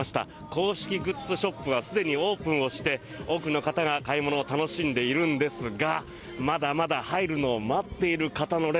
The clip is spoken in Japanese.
公式グッズショップはすでにオープンをして多くの方が買い物を楽しんでいるんですがまだまだ入るのを待っている方の列